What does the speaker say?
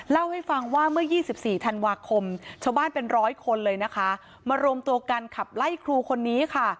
เล่าให้ฟังว่าเมื่อ๒๔ธันวาคมชาวบ้านเป็นร้อยคนเลยนะคะมารวมตัวกันขับไล่ครูคนนี้ค่ะ